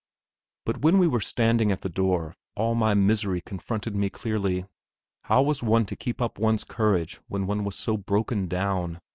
But when we were standing at the door all my misery confronted me clearly. How was one to keep up one's courage when one was so broken down?